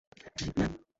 জ্বি, ম্যাম?